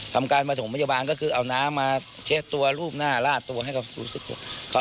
ทำการประถมพยาบาลก็คือเอาน้ำมาเช็ดตัวรูปหน้าลาดตัวให้เขารู้สึกตัว